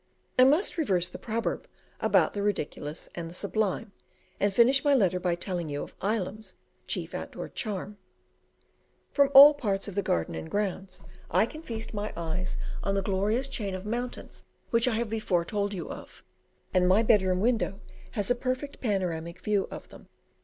I must reverse the proverb about the ridiculous and the sublime, and finish my letter by telling you of Ilam's chief outdoor charm: from all parts of the garden and grounds I can feast my eyes on the glorious chain of mountains which I have before told you of, and my bedroom window has a perfect panoramic view of them.